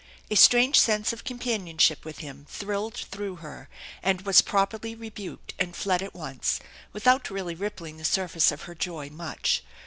A strange sense of companionship with him thrilled through her, and waa properly rebuked and fled at once, without really rippling the surface of her joy much.